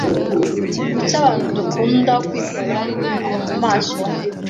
Kuki abantu dukunda kwikora aho mu maso